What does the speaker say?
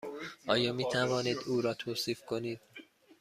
آیا می توانید او را توصیف کنید؟